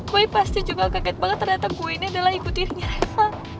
boy pasti juga kaget banget ternyata gue ini adalah ibu tirinya reva